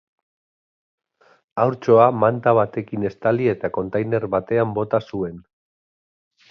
Haurtxoa manta batekin estali eta kontainer batean bota zuen.